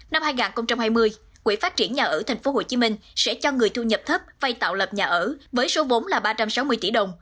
năm hai nghìn hai mươi quỹ phát triển nhà ở tp hcm sẽ cho người thu nhập thấp vay tạo lập nhà ở với số vốn là ba trăm sáu mươi tỷ đồng